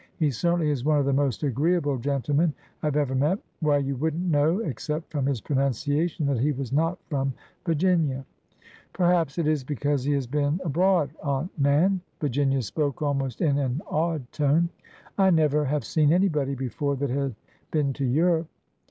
He certainly is one of the most agreeable gen tlemen I have ever met. Why, you would n't know, ex cept from his pronunciation, that he was not from Vir ginia." Perhaps it is because he has been abroad, Aunt Nan." Virginia spoke almost in an awed tone. I never have seen anybody before that had been to Europe."